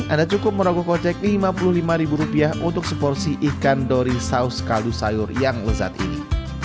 anda cukup merogoh kocek lima puluh lima untuk seporsi ikan dori saus kaldu sayur yang lezat ini